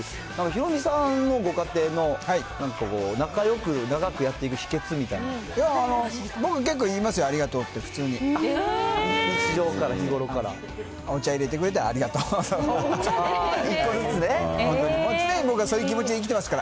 ヒロミさんのご家庭のなんか仲よく長くやっていく秘けつみたいな僕は結構言いますよ、ありが日常から、日頃から？お茶入れてくれてありがとうとか。